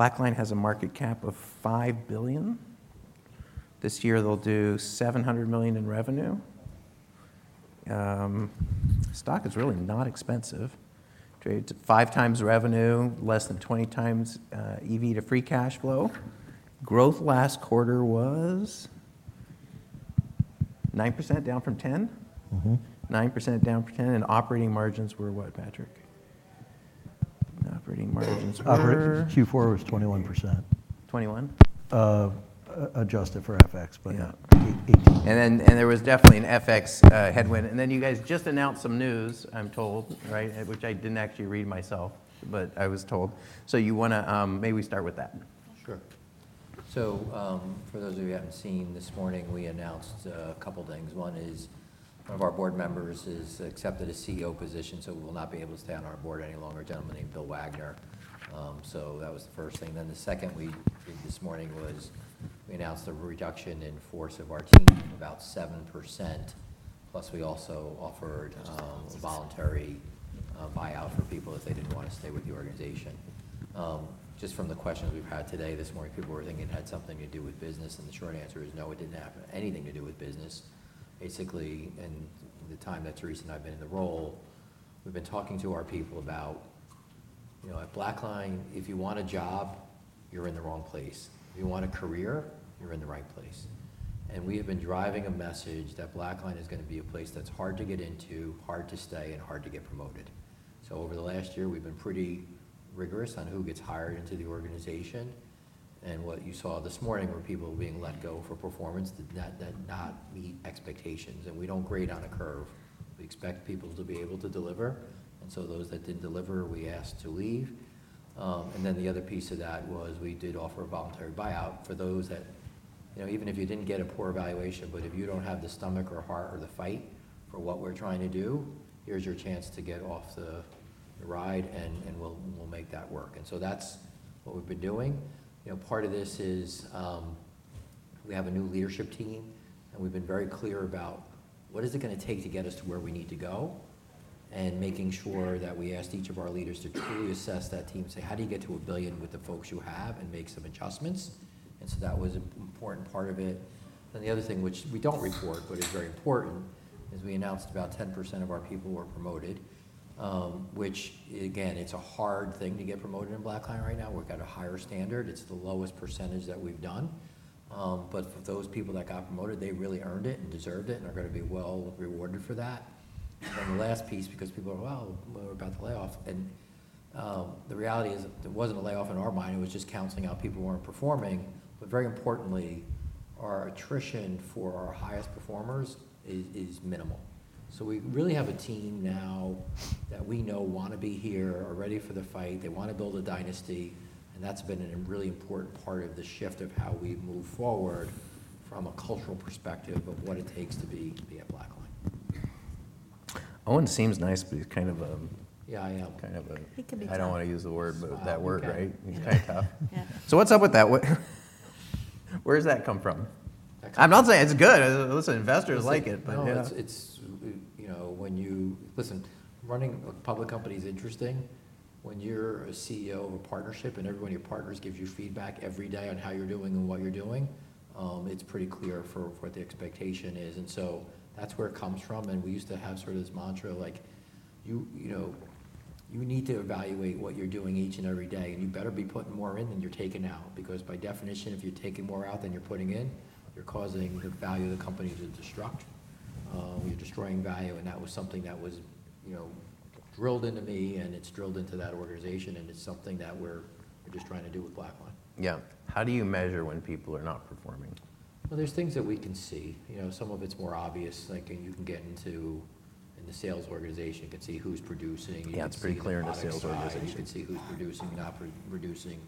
BlackLine has a market cap of $5 billion. This year they'll do $700 million in revenue. Stock is really not expensive. Trades five times revenue, less than 20 times EV to free cash flow. Growth last quarter was 9%, down from 10%. 9% down from 10%. And operating margins were what, Patrick? Operating margins were. Q4 was 21%. 21? Adjusted for FX, but yeah, 18. There was definitely an FX headwind. Then you guys just announced some news, I'm told, which I didn't actually read myself, but I was told. You want to maybe we start with that. Sure. So for those of you who haven't seen, this morning we announced a couple of things. One is one of our board members has accepted a CEO position, so we will not be able to stay on our board any longer, a gentleman named Bill Wagner. So that was the first thing. Then the second we did this morning was we announced a reduction in force of our team, about 7%. Plus we also offered a voluntary buyout for people if they didn't want to stay with the organization. Just from the questions we've had today, this morning people were thinking it had something to do with business. And the short answer is no, it didn't have anything to do with business. Basically, in the time that Therese and I have been in the role, we've been talking to our people about, at BlackLine, if you want a job, you're in the wrong place. If you want a career, you're in the right place. And we have been driving a message that BlackLine is going to be a place that's hard to get into, hard to stay, and hard to get promoted. So over the last year, we've been pretty rigorous on who gets hired into the organization. And what you saw this morning were people being let go for performance that did not meet expectations. And we don't grade on a curve. We expect people to be able to deliver. And so those that didn't deliver, we asked to leave. And then the other piece of that was we did offer a voluntary buyout for those that, even if you didn't get a poor evaluation, but if you don't have the stomach or heart or the fight for what we're trying to do, here's your chance to get off the ride and we'll make that work. And so that's what we've been doing. Part of this is we have a new leadership team, and we've been very clear about what is it going to take to get us to where we need to go, and making sure that we asked each of our leaders to truly assess that team and say, how do you get to a billion with the folks you have and make some adjustments? And so that was an important part of it. Then the other thing, which we don't report but is very important, is we announced about 10% of our people were promoted, which, again, it's a hard thing to get promoted in BlackLine right now. We've got a higher standard. It's the lowest percentage that we've done, but for those people that got promoted, they really earned it and deserved it and are going to be well rewarded for that, and then the last piece, because people are, well, we're about to lay off, and the reality is it wasn't a layoff in our mind. It was just counseling out people who weren't performing, but very importantly, our attrition for our highest performers is minimal, so we really have a team now that we know want to be here, are ready for the fight. They want to build a dynasty. That's been a really important part of the shift of how we move forward from a cultural perspective of what it takes to be at BlackLine. Owen seems nice, but he's kind of a. Yeah, I am. Kind of a. He can be kind. I don't want to use the word, but that word, right? Yeah. So what's up with that? Where does that come from? I'm not saying it's good. Listen, investors like it, but. No, it's when you listen, running a public company is interesting. When you're a CEO of a partnership and every one of your partners gives you feedback every day on how you're doing and what you're doing, it's pretty clear for what the expectation is. And so that's where it comes from. And we used to have sort of this mantra like, you need to evaluate what you're doing each and every day. And you better be putting more in than you're taking out. Because by definition, if you're taking more out than you're putting in, you're causing the value of the company to destruct. You're destroying value. And that was something that was drilled into me, and it's drilled into that organization. And it's something that we're just trying to do with BlackLine. Yeah. How do you measure when people are not performing? There's things that we can see. Some of it's more obvious. You can get into the sales organization. You can see who's producing. Yeah, it's pretty clear in the sales organization. You can see who's producing, not producing.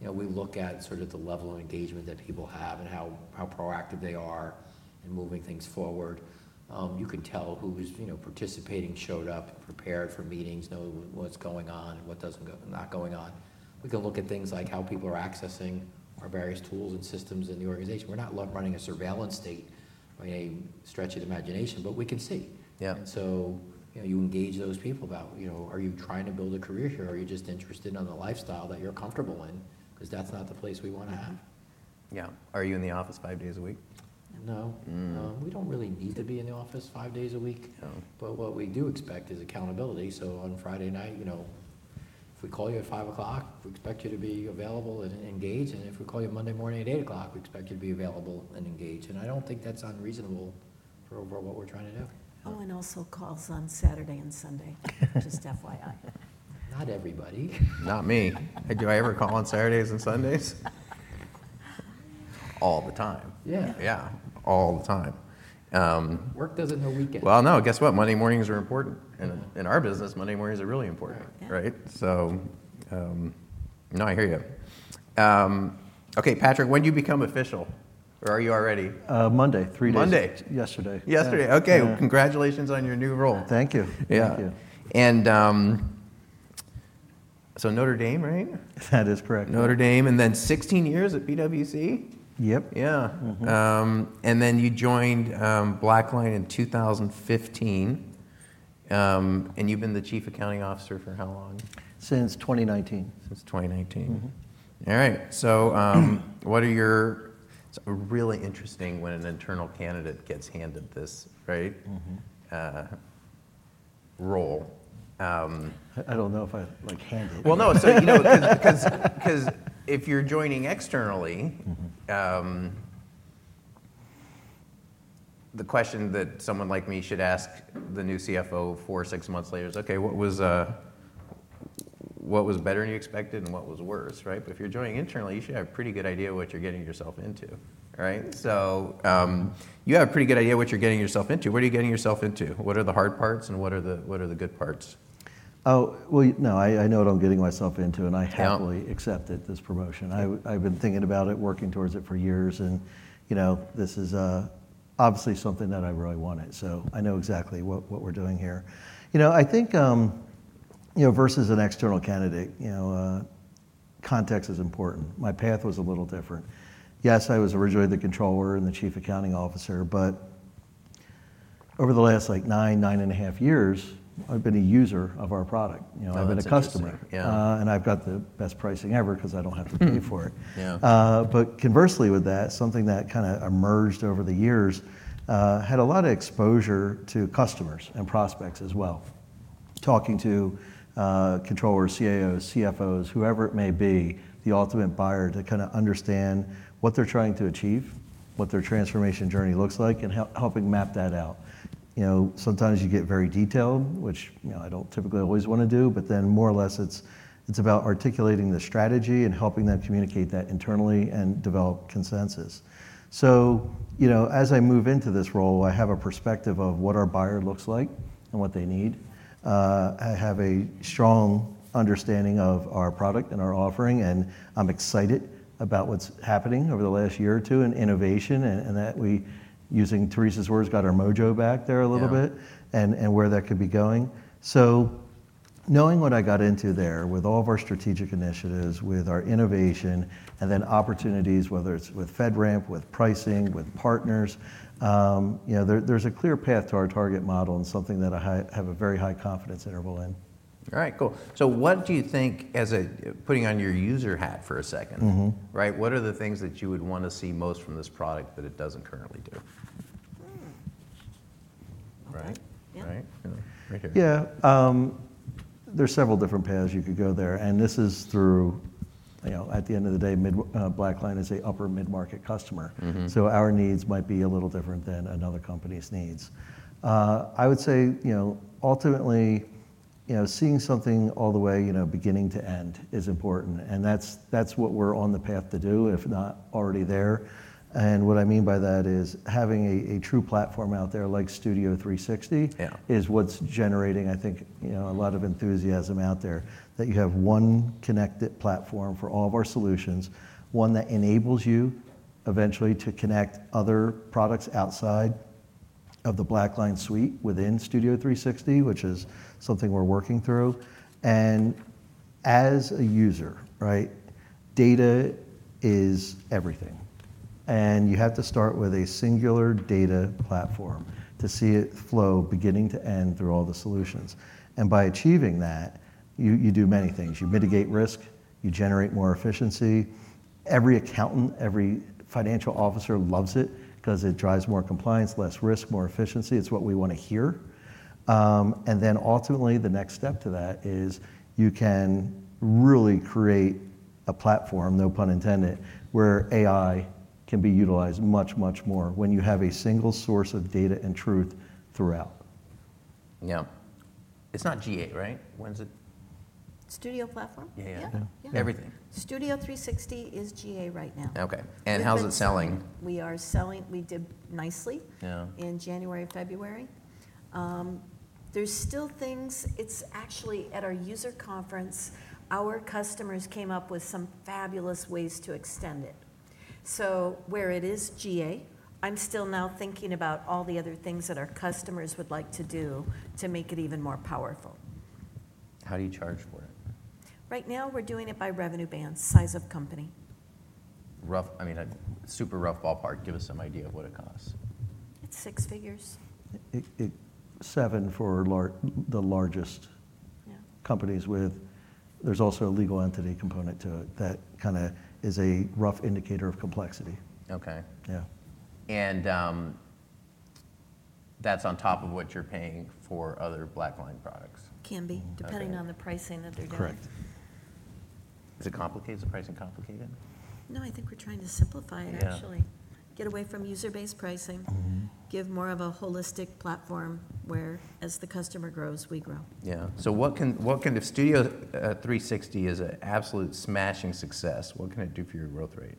We look at sort of the level of engagement that people have and how proactive they are in moving things forward. You can tell who is participating, showed up, prepared for meetings, knows what's going on and what's not going on. We can look at things like how people are accessing our various tools and systems in the organization. We're not running a surveillance state by any stretch of the imagination, but we can see, and so you engage those people about, are you trying to build a career here? Are you just interested in the lifestyle that you're comfortable in? Because that's not the place we want to have. Yeah. Are you in the office five days a week? No. We don't really need to be in the office five days a week. But what we do expect is accountability. So on Friday night, if we call you at 5 o'clock, we expect you to be available and engaged. And if we call you Monday morning at 8 o'clock, we expect you to be available and engaged. And I don't think that's unreasonable for what we're trying to do. Owen also calls on Saturday and Sunday, just FYI. Not everybody. Not me. Do I ever call on Saturdays and Sundays? All the time. Yeah. Yeah. All the time. Work doesn't know weekends. Well, no. Guess what? Monday mornings are important. In our business, Monday mornings are really important. Right? So no, I hear you. Okay, Patrick, when do you become official? Or are you already? Monday. Three days. Monday. Yesterday. Yesterday. Okay. Congratulations on your new role. Thank you. Yeah. And so Notre Dame, right? That is correct. Notre Dame and then 16 years at PwC? Yep. Yeah. And then you joined BlackLine in 2015. And you've been the chief accounting officer for how long? Since 2019. Since 2019. All right. So what's really interesting when an internal candidate gets handed this role? I don't know if I handed it. Well, no. Because if you're joining externally, the question that someone like me should ask the new CFO four, six months later is, okay, what was better than you expected and what was worse? But if you're joining internally, you should have a pretty good idea of what you're getting yourself into. What are you getting yourself into? What are the hard parts and what are the good parts? No, I know what I'm getting myself into. And I happily accepted this promotion. I've been thinking about it, working towards it for years. And this is obviously something that I really wanted. So I know exactly what we're doing here. I think versus an external candidate, context is important. My path was a little different. Yes, I was originally the controller and the chief accounting officer. But over the last nine, nine and a half years, I've been a user of our product. I've been a customer. And I've got the best pricing ever because I don't have to pay for it. But conversely with that, something that kind of emerged over the years had a lot of exposure to customers and prospects as well. Talking to controllers, CAOs, CFOs, whoever it may be, the ultimate buyer to kind of understand what they're trying to achieve, what their transformation journey looks like, and helping map that out. Sometimes you get very detailed, which I don't typically always want to do. But then more or less, it's about articulating the strategy and helping them communicate that internally and develop consensus. So as I move into this role, I have a perspective of what our buyer looks like and what they need. I have a strong understanding of our product and our offering. And I'm excited about what's happening over the last year or two in innovation and that we, using Therese's words, got our mojo back there a little bit and where that could be going. So, knowing what I got into there with all of our strategic initiatives, with our innovation, and then opportunities, whether it's with FedRAMP, with pricing, with partners, there's a clear path to our target model and something that I have a very high confidence interval in. All right. Cool. So what do you think, as if putting on your user hat for a second, what are the things that you would want to see most from this product that it doesn't currently do? Right? Right here. Yeah. There's several different paths you could go there, and this is true, at the end of the day, BlackLine is an upper mid-market customer. So our needs might be a little different than another company's needs. I would say ultimately, seeing something all the way beginning to end is important, and that's what we're on the path to do, if not already there, and what I mean by that is having a true platform out there like Studio 360 is what's generating, I think, a lot of enthusiasm out there that you have one connected platform for all of our solutions, one that enables you eventually to connect other products outside of the BlackLine suite within Studio 360, which is something we're working through, and as a user, data is everything. You have to start with a singular data platform to see it flow beginning to end through all the solutions. By achieving that, you do many things. You mitigate risk. You generate more efficiency. Every accountant, every financial officer loves it because it drives more compliance, less risk, more efficiency. It's what we want to hear. Then ultimately, the next step to that is you can really create a platform, no pun intended, where AI can be utilized much, much more when you have a single source of data and truth throughout. Yeah. It's not GA, right? When's it? Studio platform? Yeah, yeah, yeah. Everything. Studio 360 is GA right now. Okay. And how's it selling? We did nicely in January, February. There's still things. It's actually at our user conference. Our customers came up with some fabulous ways to extend it. So where it is GA, I'm still now thinking about all the other things that our customers would like to do to make it even more powerful. How do you charge for it? Right now, we're doing it by revenue band, size of company. I mean, super rough ballpark, give us some idea of what it costs. It's six figures. Seven for the largest companies with. There's also a legal entity component to it that kind of is a rough indicator of complexity. Okay, and that's on top of what you're paying for other BlackLine products? Can be, depending on the pricing that they're doing. Correct. Is it complicated? Is the pricing complicated? No, I think we're trying to simplify it, actually. Get away from user-based pricing. Give more of a holistic platform where, as the customer grows, we grow. Yeah. So what can Studio 360, as an absolute smashing success, what can it do for your growth rate?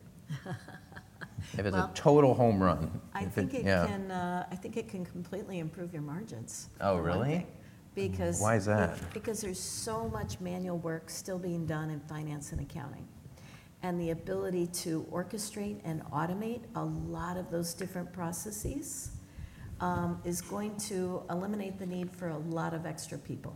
If it's a total home run. I think it can completely improve your margins. Oh, really? Because. Why is that? Because there's so much manual work still being done in finance and accounting, and the ability to orchestrate and automate a lot of those different processes is going to eliminate the need for a lot of extra people.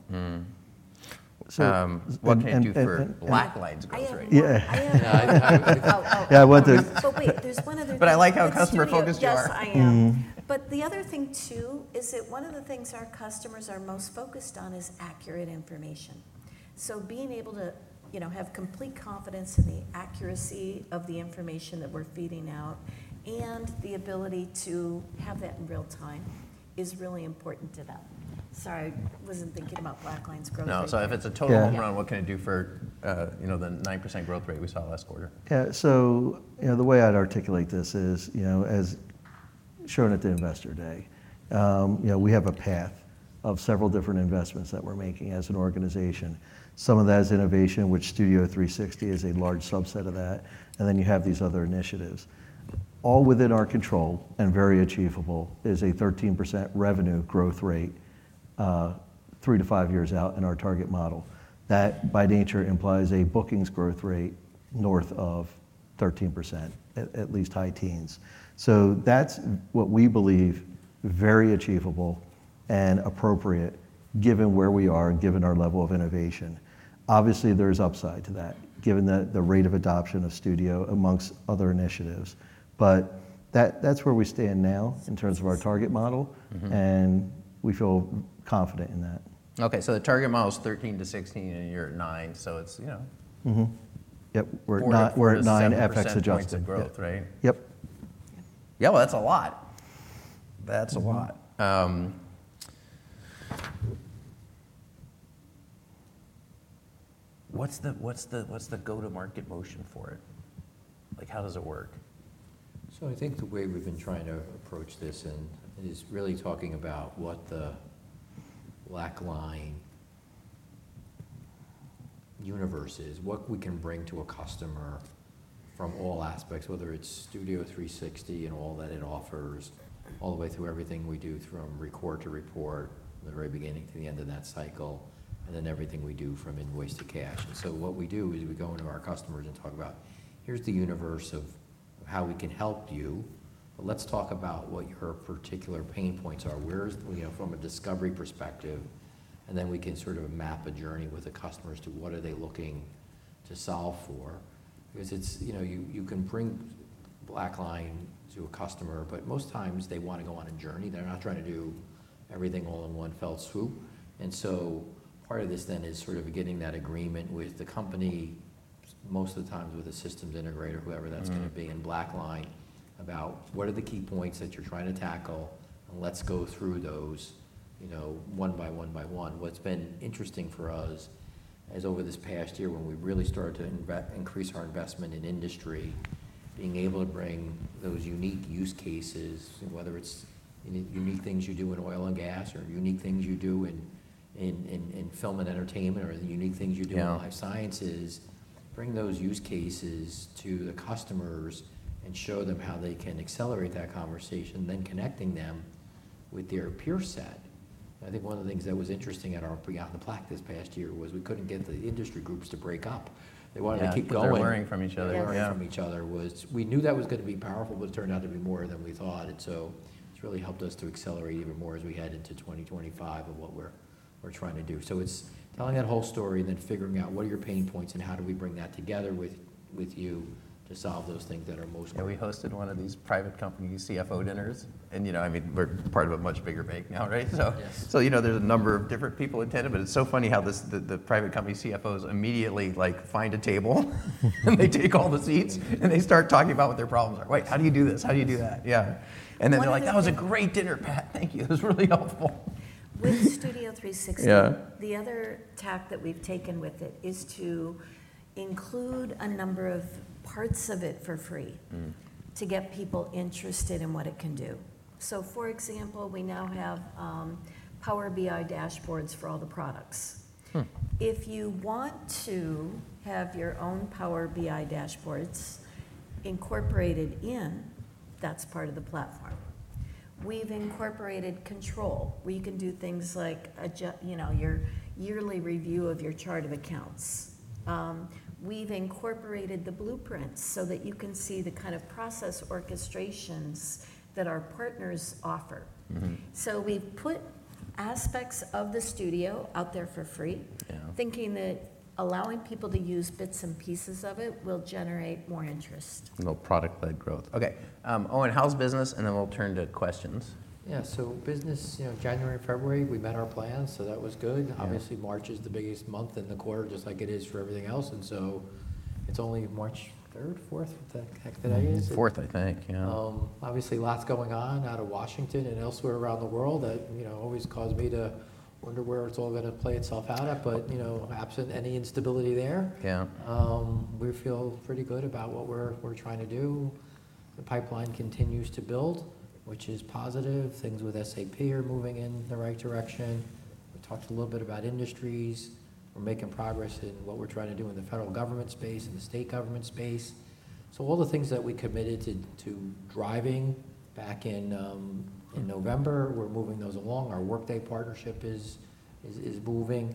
What can it do for BlackLine's growth rate? Yeah. Yeah. But wait, there's one other thing. But I like how customer-focused you are. Yes, I am. But the other thing, too, is that one of the things our customers are most focused on is accurate information. So being able to have complete confidence in the accuracy of the information that we're feeding out and the ability to have that in real time is really important to them. Sorry, I wasn't thinking about BlackLine's growth rate. No. So if it's a total home run, what can it do for the 9% growth rate we saw last quarter? Yeah. So the way I'd articulate this is, as shown at the Investor Day, we have a path of several different investments that we're making as an organization. Some of that is innovation, which Studio 360 is a large subset of that, and then you have these other initiatives. All within our control and very achievable is a 13% revenue growth rate three to five years out in our target model. That, by nature, implies a bookings growth rate north of 13%, at least high teens, so that's what we believe very achievable and appropriate given where we are and given our level of innovation. Obviously, there's upside to that given the rate of adoption of Studio amongst other initiatives, but that's where we stand now in terms of our target model, and we feel confident in that. Okay. So the target model is 13-16, and you're at nine. So it's. Yep. We're at nine FX adjusted. 4%-10% growth, right? Yep. Yeah. Well, that's a lot. That's a lot. What's the go-to-market motion for it? How does it work? So I think the way we've been trying to approach this is really talking about what the BlackLine universe is, what we can bring to a customer from all aspects, whether it's Studio 360 and all that it offers, all the way through everything we do from record to report, the very beginning to the end of that cycle, and then everything we do from invoice to cash, and so what we do is we go into our customers and talk about, here's the universe of how we can help you, but let's talk about what your particular pain points are, from a discovery perspective, and then we can sort of map a journey with the customers to what are they looking to solve for, because you can bring BlackLine to a customer, but most times, they want to go on a journey. They're not trying to do everything all in one fell swoop. And so part of this then is sort of getting that agreement with the company, most of the times with a systems integrator, whoever that's going to be in BlackLine, about what are the key points that you're trying to tackle. And let's go through those one by one by one. What's been interesting for us is over this past year when we really started to increase our investment in industry, being able to bring those unique use cases, whether it's unique things you do in oil and gas or unique things you do in film and entertainment or the unique things you do in life sciences, bring those use cases to the customers and show them how they can accelerate that conversation, then connecting them with their peer set. I think one of the things that was interesting at our breakout at InTheBlack this past year was we couldn't get the industry groups to break up. They wanted to keep going. They kept learning from each other. Yeah. Learning from each other was we knew that was going to be powerful, but it turned out to be more than we thought, and so it's really helped us to accelerate even more as we head into 2025 of what we're trying to do, so it's telling that whole story and then figuring out what are your pain points and how do we bring that together with you to solve those things that are most. We hosted one of these private company CFO dinners, and I mean, we're part of a much bigger bank now, right, so there's a number of different people attended, but it's so funny how the private company CFOs immediately find a table, and they take all the seats, and they start talking about what their problems are. Wait, how do you do this? How do you do that? Yeah, and then they're like, that was a great dinner, Pat. Thank you. It was really helpful. With Studio 360, the other tack that we've taken with it is to include a number of parts of it for free to get people interested in what it can do. So for example, we now have Power BI dashboards for all the products. If you want to have your own Power BI dashboards incorporated in, that's part of the platform. We've incorporated control where you can do things like your yearly review of your chart of accounts. We've incorporated the blueprints so that you can see the kind of process orchestrations that our partners offer. So we've put aspects of the Studio out there for free, thinking that allowing people to use bits and pieces of it will generate more interest. Little product-led growth. Okay. Owen, how's business? And then we'll turn to questions. Yeah. So business, January, February, we met our plans. So that was good. Obviously, March is the biggest month in the quarter, just like it is for everything else, and so it's only March 3rd, 4th, what the heck did I get? 4th, I think. Yeah. Obviously, lots going on out of Washington and elsewhere around the world that always cause me to wonder where it's all going to play itself out at. But absent any instability there, we feel pretty good about what we're trying to do. The pipeline continues to build, which is positive. Things with SAP are moving in the right direction. We talked a little bit about industries. We're making progress in what we're trying to do in the federal government space and the state government space. So all the things that we committed to driving back in November, we're moving those along. Our Workday partnership is moving.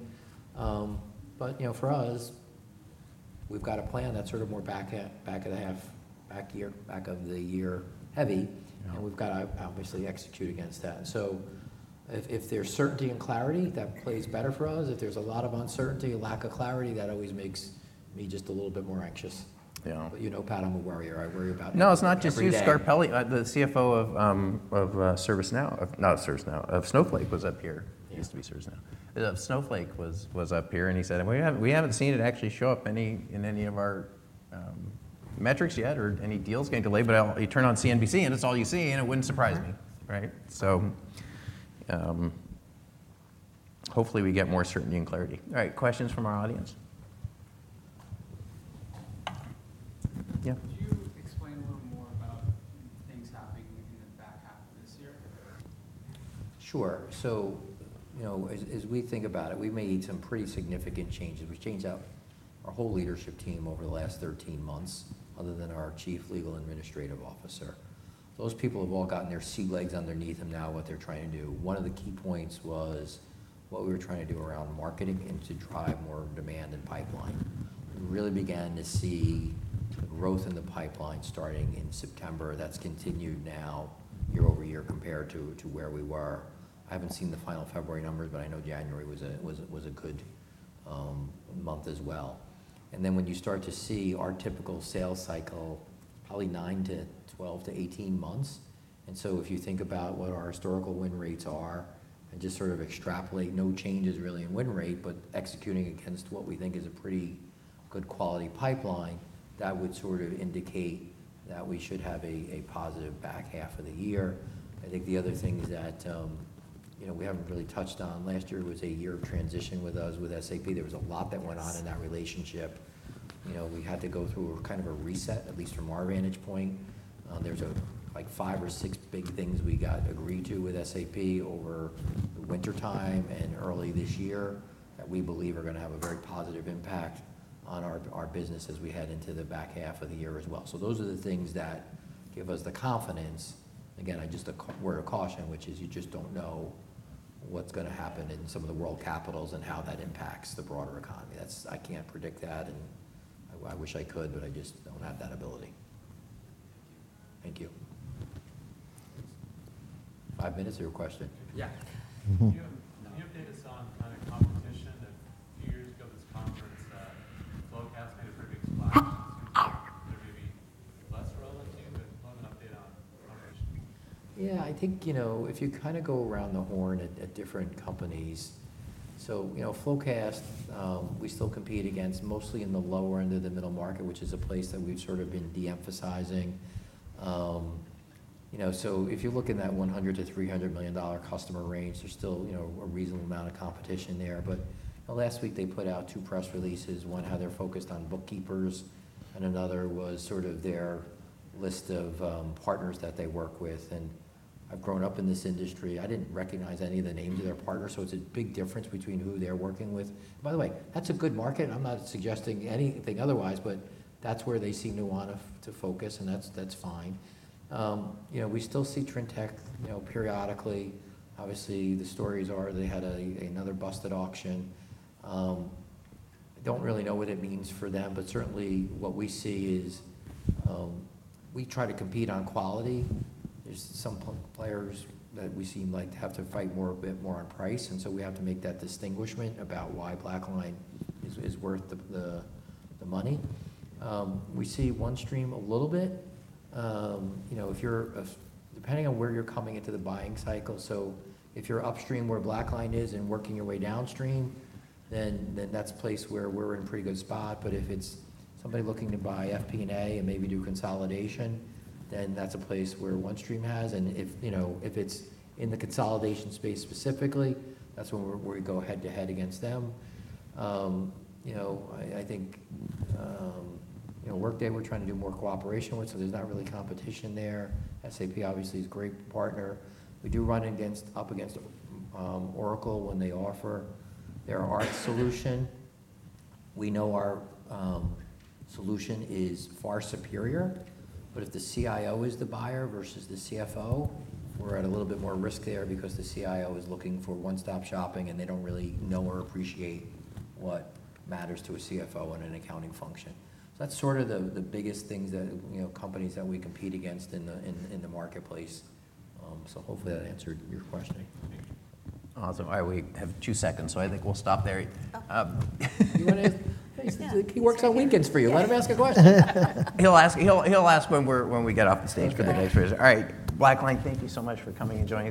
But for us, we've got a plan that's sort of more back of the half, back year, back of the year heavy. And we've got to obviously execute against that. So if there's certainty and clarity, that plays better for us. If there's a lot of uncertainty, lack of clarity, that always makes me just a little bit more anxious. But you know, Pat, I'm a worrier. I worry about. No, it's not just you, Scarpelli. The CFO of ServiceNow, not of ServiceNow, of Snowflake was up here. He used to be ServiceNow. Of Snowflake was up here. And he said, "We haven't seen it actually show up in any of our metrics yet or any deals getting delayed. But you turn on CNBC, and it's all you see. And it wouldn't surprise me." Right? So hopefully, we get more certainty and clarity. All right. Questions from our audience? Yeah. Could you explain a little more about things happening in the back half of this year? Sure. So as we think about it, we've made some pretty significant changes. We've changed out our whole leadership team over the last 13 months, other than our Chief Legal Administrative Officer. Those people have all gotten their sea legs underneath them now, what they're trying to do. One of the key points was what we were trying to do around marketing and to drive more demand in pipeline. We really began to see growth in the pipeline starting in September. That's continued now year over year compared to where we were. I haven't seen the final February numbers, but I know January was a good month as well. And then when you start to see our typical sales cycle, probably 9-12-18 months. And so if you think about what our historical win rates are and just sort of extrapolate, no changes really in win rate, but executing against what we think is a pretty good quality pipeline, that would sort of indicate that we should have a positive back half of the year. I think the other thing is that we haven't really touched on. Last year was a year of transition with us with SAP. There was a lot that went on in that relationship. We had to go through kind of a reset, at least from our vantage point. There's like five or six big things we got agreed to with SAP over the wintertime and early this year that we believe are going to have a very positive impact on our business as we head into the back half of the year as well. So those are the things that give us the confidence. Again, I just bear a caution, which is you just don't know what's going to happen in some of the world capitals and how that impacts the broader economy. I can't predict that, and I wish I could, but I just don't have that ability. Thank you. Thank you. Five minutes or a question? Yeah. Do you have data on kind of competition? A few years ago this conference, FloQast made a pretty big splash. Is there maybe less relevant to you, but an update on competition? Yeah. I think if you kind of go around the horn at different companies, so FloQast, we still compete against mostly in the lower end of the middle market, which is a place that we've sort of been de-emphasizing. So if you look in that $100 million-$300 million customer range, there's still a reasonable amount of competition there. But last week, they put out two press releases. One had theirs focused on bookkeepers, and another was sort of their list of partners that they work with. And I've grown up in this industry. I didn't recognize any of the names of their partners. So it's a big difference between who they're working with. By the way, that's a good market. I'm not suggesting anything otherwise, but that's where they seem to want to focus. And that's fine. We still see Trintech periodically. Obviously, the stories are they had another busted auction. I don't really know what it means for them. But certainly, what we see is we try to compete on quality. There's some players that we seem like have to fight a bit more on price. And so we have to make that distinction about why BlackLine is worth the money. We see OneStream a little bit. Depending on where you're coming into the buying cycle, so if you're upstream where BlackLine is and working your way downstream, then that's a place where we're in a pretty good spot. But if it's somebody looking to buy FP&A and maybe do consolidation, then that's a place where OneStream has. And if it's in the consolidation space specifically, that's where we go head to head against them. I think Workday, we're trying to do more cooperation with. So there's not really competition there. SAP, obviously, is a great partner. We do run up against Oracle when they offer their ERP solution. We know our solution is far superior. But if the CIO is the buyer versus the CFO, we're at a little bit more risk there because the CIO is looking for one-stop shopping, and they don't really know or appreciate what matters to a CFO in an accounting function. So that's sort of the biggest things that companies that we compete against in the marketplace. So hopefully, that answered your question. Awesome. All right. We have two seconds. So I think we'll stop there. You want to ask? He works on LinkedIn for you. Let him ask a question. He'll ask when we get off the stage for the next version. All right. BlackLine, thank you so much for coming into.